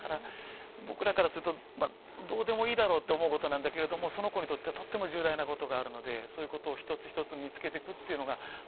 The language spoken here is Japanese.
僕らからするとどうでもいいだろうって思うことなんだけれどもその子にとってはとっても重大なことがあるのでそういうことを一つ一つ見つけていくっていうのが